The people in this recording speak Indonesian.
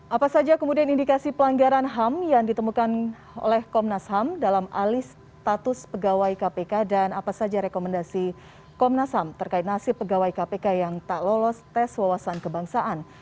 apa saja kemudian indikasi pelanggaran ham yang ditemukan oleh komnas ham dalam alis status pegawai kpk dan apa saja rekomendasi komnas ham terkait nasib pegawai kpk yang tak lolos tes wawasan kebangsaan